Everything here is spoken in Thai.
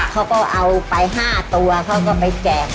เขาก็เอาไป๕ตัวเขาก็ไปแจก